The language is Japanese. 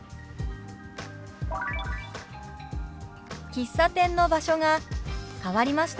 「喫茶店の場所が変わりました」。